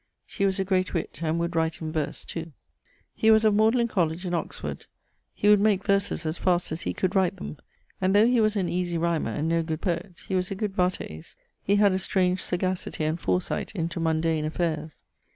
She was a great witt, and would write in verse too. He was of in Oxford. He would make verses as fast as he could write them. And though he was an easie rymer, and no good poet, he was a good vates. He had a strange sagacity and foresight into mundane affaires.